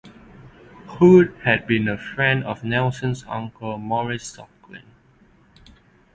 Hood had been a friend of Nelson's uncle Maurice Suckling.